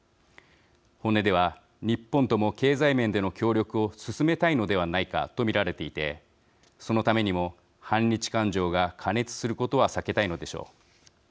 本音では日本とも経済面での協力を進めたいのではないかと見られていてそのためにも反日感情が過熱することは避けたいのでしょう。